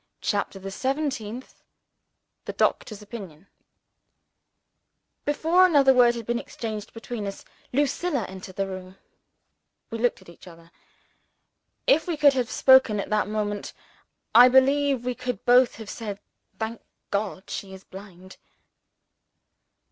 CHAPTER THE SEVENTEENTH The Doctor's Opinion BEFORE another word had been exchanged between us, Lucilla entered the room. We looked at each other. If we could have spoken at that moment, I believe we should both have said, "Thank God, she is blind!"